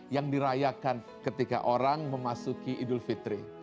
yang dirayakan ketika orang memasuki idul fitri